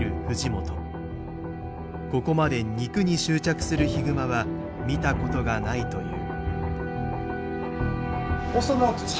ここまで肉に執着するヒグマは見たことがないという。